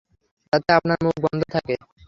যাতে, আপনার মুখ বন্ধ থাকে।